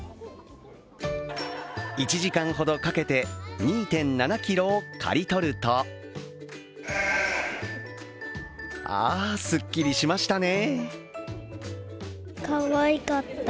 １時間ほどかけて２．７ｋｇを刈りとるとあ、すっきりしましたね。